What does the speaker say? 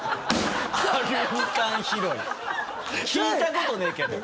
聞いたことねえけど。